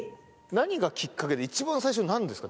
何がきっかけで一番最初なんですか？